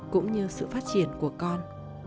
cũng như sự phát triển của con